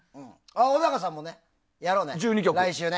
小高さんもやろうね。